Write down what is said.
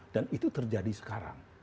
dan itu terjadi sekarang